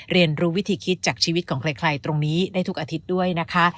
เรียนรู้วิธีคิดจากชีวิตของใครตรงนี้ได้ทุกอาทิตย์ด้วยนะคะ